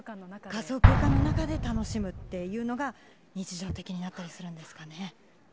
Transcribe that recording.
仮想空間の中で楽しむっていうのが日常的になったりするんですかね。